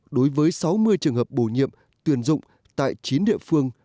đối với sáu mươi trường hợp bổ nhiệm tuyển dụng tại chín địa phương